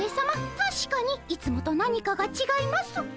たしかにいつもと何かがちがいます。